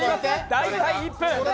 大体１分！